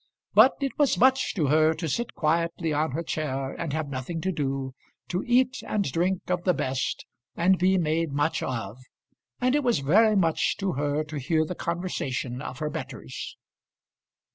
But it was much to her to sit quietly on her chair and have nothing to do, to eat and drink of the best, and be made much of; and it was very much to her to hear the conversation of her betters.